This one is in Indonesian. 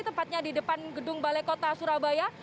tepatnya di depan gedung balai kota surabaya